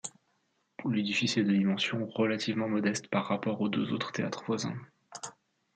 L'édifice est de dimensions relativement modestes par rapport aux deux autres théâtres voisins.